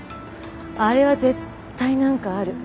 あれは絶対なんかある。